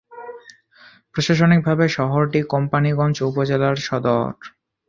প্রশাসনিকভাবে শহরটি কোম্পানীগঞ্জ উপজেলার সদর।